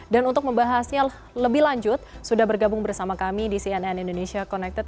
dan untuk membahasnya lebih lanjut sudah bergabung bersama kami di cnn indonesia connected